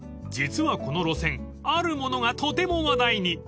［実はこの路線あるものがとても話題に］